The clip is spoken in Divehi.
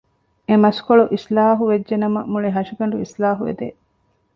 އެ މަސްކޮޅު އިސްލާޙު ވެއްޖެ ނަމަ މުޅި ހަށިގަނޑު އިސްލާޙު ވެދޭ